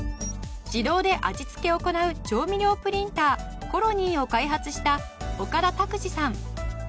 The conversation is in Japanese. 自動で味付けを行う調味料プリンターコロニーを開発した岡田拓治さん。